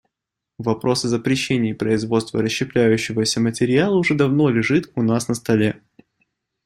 Вопрос о запрещении производства расщепляющегося материала уже давно лежит у нас на столе.